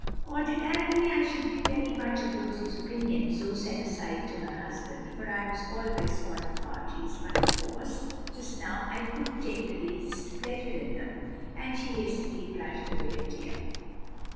"Ordinarily I should be very much of Rosie's opinion," Zoe said aside to her husband, "for I was always fond of parties; but of course, just now I couldn't take the least pleasure in them," and she hastily brushed away a tear.